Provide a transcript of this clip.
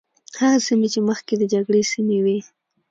هغه سیمې چې مخکې د جګړې سیمې وي.